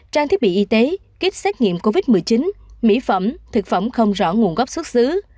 trang thiết bị y tế kích xét nghiệm covid một mươi chín mỹ phẩm thực phẩm không rõ nguồn gốc xuất xứ